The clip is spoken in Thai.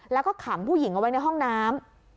แล้วก็ขังผู้หญิงเอาไว้ในห้องน้ำ